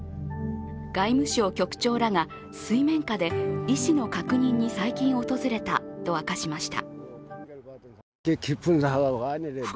外務省局長らが水面下で意思の確認に最近訪れたと明かしました。